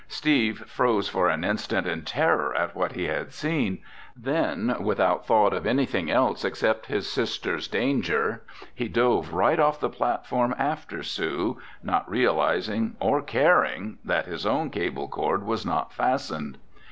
Steve froze for an instant in terror at what he had seen. Then without thought of anything else except his sister's danger, he dove right off the platform after Sue, not realizing or caring that his own cable cord was not fastened.